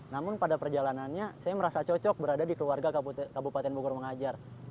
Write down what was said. namun pada perjalanannya saya merasa cocok berada di keluarga kabupaten bogor mengajar